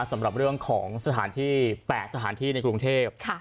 สำหรับเรื่องของสถานที่๘สถานที่ในกรุงเทพ